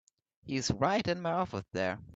He's right in my office there.